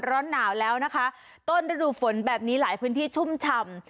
ร้อนหนาวแล้วนะคะต้นฤดูฝนแบบนี้หลายพื้นที่ชุ่มฉ่ำ